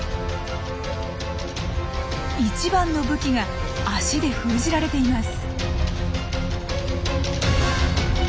一番の武器が足で封じられています。